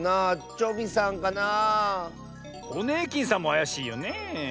ホネーキンさんもあやしいよねえ。